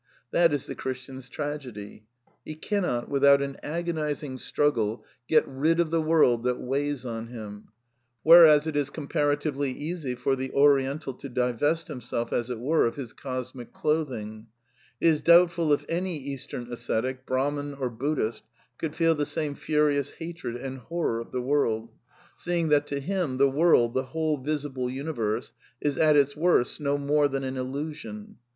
That is the Christian's tragedy. He cannot, without an agonizing struggle, get rid of the world that weighs on him ; whereas it is comparatively easy for the Oriental to divest himself, as it were, of his cosmic clothing. It is doubtful if any Eastern ascetic, Brahman or Buddhist, could feel the same furious hatred and horror of the world ; seeing that to him the world, the whole visible universe, is at its orse no more than an illusion.